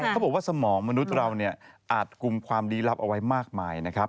เขาบอกว่าสมองมนุษย์เราเนี่ยอาจกลุ่มความลี้ลับเอาไว้มากมายนะครับ